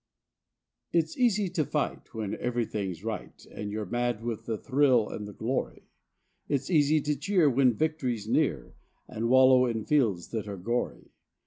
It's easy to fight when everything's right, And you're mad with the thrill and the glory; It's easy to cheer when victory's near, And wallow in fields that are gory.